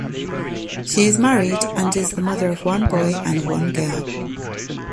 She is married and is the mother of one boy and one girl.